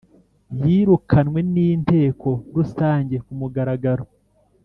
yirukanwe n Inteko Rusange kumugaragaro